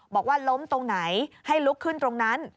บอกว่าล้มตรงไหนให้ลุกขึ้นตรงนั้น